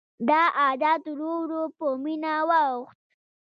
دا عادت ورو ورو په مینه واوښت.